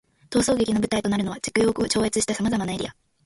逃走劇の舞台となるのは、時空を超越した様々なエリア。